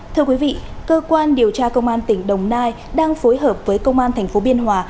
thưa quý vị cơ quan điều tra công an tỉnh đồng nai đang phối hợp với công an tp biên hòa